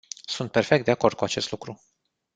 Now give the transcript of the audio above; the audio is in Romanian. Sunt perfect de acord cu acest lucru.